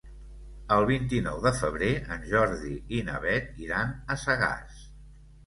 El vint-i-nou de febrer en Jordi i na Beth iran a Sagàs.